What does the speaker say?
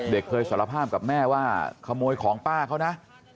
เคยสารภาพกับแม่ว่าขโมยของป้าเขานะ